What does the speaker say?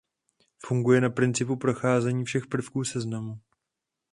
Funguje na principu procházení všech prvků seznamu.